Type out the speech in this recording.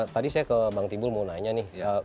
tadi saya ke bang timbul mau nanya nih